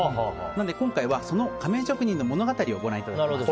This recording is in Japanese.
なので今回は、仮面職人の物語をご覧いただきます。